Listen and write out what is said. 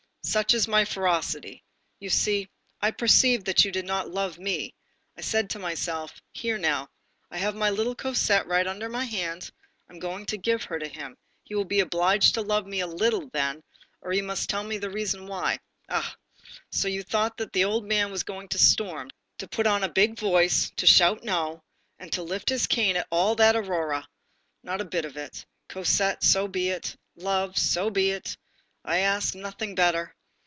Such is my ferocity. You see, I perceived that you did not love me. I said to myself: 'Here now, I have my little Cosette right under my hand, I'm going to give her to him, he will be obliged to love me a little then, or he must tell the reason why.' Ah! so you thought that the old man was going to storm, to put on a big voice, to shout no, and to lift his cane at all that aurora. Not a bit of it. Cosette, so be it; love, so be it; I ask nothing better.